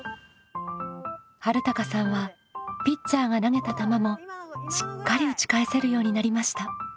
はるたかさんはピッチャーが投げた球もしっかり打ち返せるようになりました。